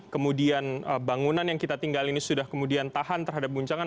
kemudian bangunan yang kita tinggal ini sudah kemudian tahan terhadap guncangan